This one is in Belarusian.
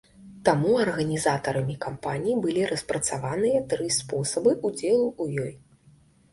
Таму арганізатарамі кампаніі былі распрацаваныя тры спосабы ўдзелу ў ёй.